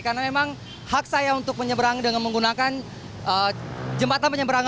karena memang hak saya untuk menyeberang dengan menggunakan jembatan penyeberangnya